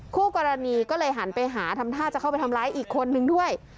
คู่กรณีก็เลยหันไปหาทำท่าจะเข้าไปทำร้ายอีกคนนึงด้วย